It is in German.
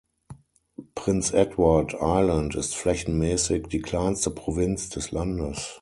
Prince Edward Island ist flächenmäßig die kleinste Provinz des Landes.